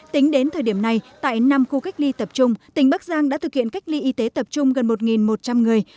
tính đến thời điểm này tại năm khu cách ly tập trung tỉnh bắc giang đã thực hiện cách ly y tế tập trung gần một một trăm linh người